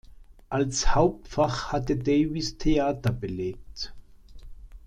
Als Hauptfach hatte Davis Theater belegt.